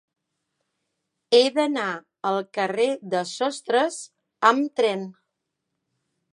He d'anar al carrer de Sostres amb tren.